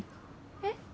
えっ？